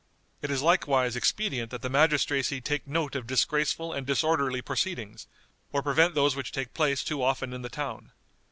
It is likewise expedient that the magistracy take notice of disgraceful and disorderly proceedings, or prevent those which take place too often in the town.